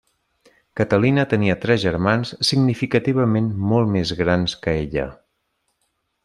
Catalina tenia tres germans significativament molt més grans que ella.